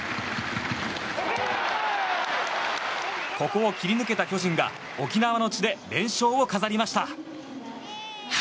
ここを切り抜けた巨人が沖縄の地で連勝を飾りました。